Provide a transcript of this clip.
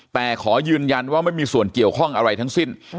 แต่ขอยืนยันว่าไม่มีส่วนเกี่ยวข้องอะไรทั้งสิ้น